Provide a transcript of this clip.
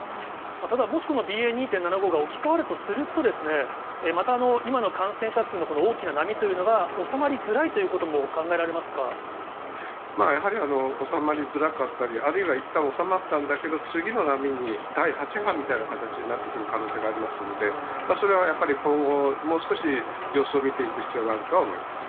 ただ、もしこのＢＡ．２．７５が置き換わるとすると、また、今の感染者数のこの大きな波というのが、収まりづらいということも考えらやはり、収まりづらかったり、あるいはいったん収まったんだけど、次の波に、第８波みたいな形になってくる可能性がありますんで、それはやっぱり、今後もう少し様子を見ていく必要があるとは思います。